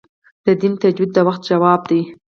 د دین تجدید د وخت ځواب دی.